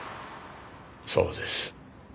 そうです。